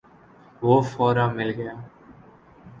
وہ فورا مل گیا۔